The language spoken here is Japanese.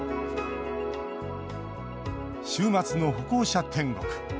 週末の歩行者天国。